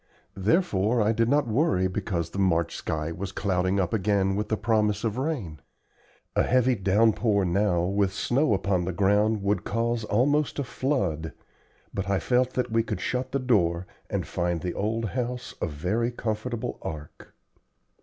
Therefore I did not worry because the fickle March sky was clouding up again with the promise of rain. A heavy downpour now with snow upon the ground would cause almost a flood, but I felt that we could shut the door and find the old house a very comfortable ark.